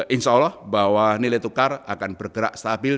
insyaallah bahwa nilai tukar akan bergerak stabil